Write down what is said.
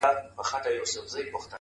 تك سپين زړگي ته دي پوښ تور جوړ كړی’